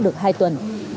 được hai tuần